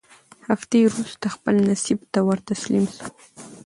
هفتې وورسته خپل نصیب ته ورتسلیم سو